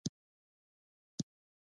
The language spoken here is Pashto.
مخامد کاکا پر زیړه لکړه تکیه ولګوه.